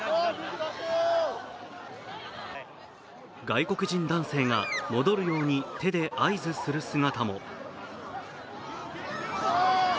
外国人男性が戻るように手で合図する姿も。